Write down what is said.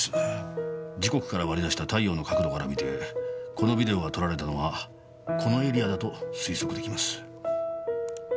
時刻から割り出した太陽の角度から見てこのビデオが撮られたのはこのエリアだと推測できます。